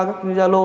các giao lô